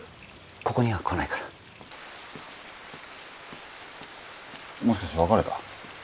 ここには来ないからもしかして別れた？